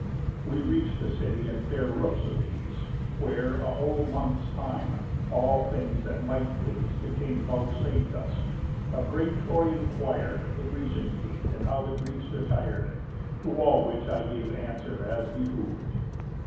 We reach'd the city and fair roofs of these, Where, a whole month's time, all things that might please The king vouchsaf'd us; of great Troy inquir'd, The Grecian fleet, and how the Greeks retir'd. To all which I gave answer as behov'd.